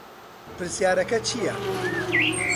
پرسیارەکە چییە؟